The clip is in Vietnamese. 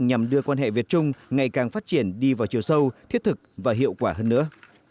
nhằm đưa quan hệ việt trung ngày càng phát triển đi vào chiều sâu thiết thực và hiệu quả hơn nữa